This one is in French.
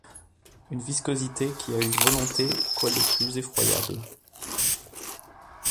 Une viscosité qui a une volonté, quoi de plus effroyable!